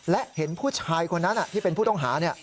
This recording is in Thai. และเห็นผู้ชายคนนั้นที่เป็นผู้ต้องหา